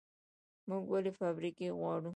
موږ ولې فابریکې غواړو؟